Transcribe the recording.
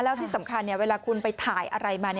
แล้วที่สำคัญเวลาคุณไปถ่ายอะไรมา